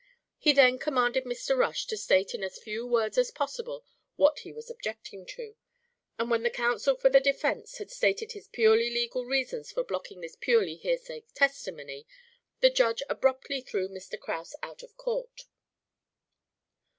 He then commanded Mr. Rush to state in as few words as possible what he was objecting to; and when the counsel for the defence had stated his purely legal reasons for blocking this purely hearsay testimony, the Judge abruptly threw Mr. Kraus out of court.